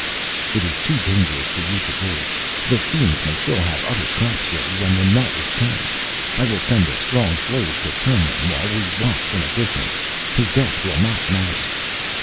"It is too dangerous for you to do, the fiends may still have other traps ready when the nut is turned. I will send a strong slave to turn them while we watch from a distance, his death will not matter."